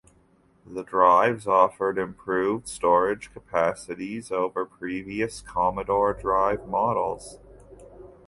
The drives offered improved storage capacities over previous Commodore drive models.